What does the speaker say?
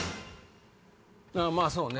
まぁそうね！